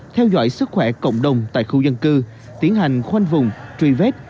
theo dõi sức khỏe cộng đồng tại khu dân cư tiến hành khoanh vùng truy vết